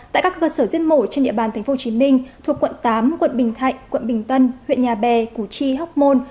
tại các cơ sở giết mổ trên địa bàn tp hcm thuộc quận tám quận bình thạnh quận bình tân huyện nhà bè củ chi hóc môn